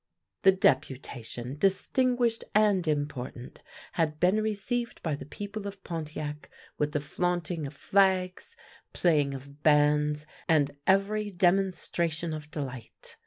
The deputation — distinguished and important — had I een received by the people of Pontiac with the flaunt ing of flags, playing of bands, and every demonstration of delight.